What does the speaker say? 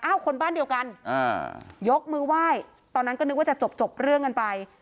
คนบ้านเดียวกันอ่ายกมือไหว้ตอนนั้นก็นึกว่าจะจบเรื่องกันไป